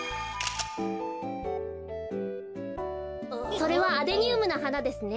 それはアデニウムのはなですね。